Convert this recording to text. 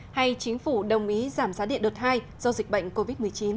hay chính phủ đồng ý giảm giá điện đột thai do dịch bệnh covid một mươi chín